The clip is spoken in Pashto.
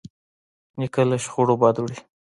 نیکه له شخړو بد وړي.